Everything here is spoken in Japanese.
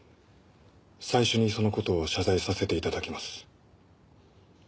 最初にそのことを謝罪させていただきます。